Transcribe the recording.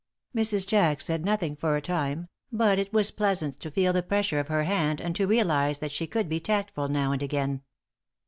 Mrs. Jack said nothing for a time, but it was pleasant to feel the pressure of her hand and to realize that she could be tactful now and again.